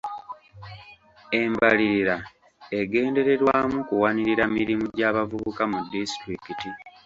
Embalirira egendererwamu kuwanirira mirimu gy'abavubuka mu disitulikiti.